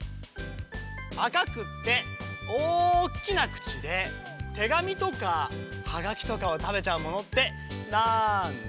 「あかくっておおきなくちでてがみとかはがきとかをたべちゃうものってなんだ？」。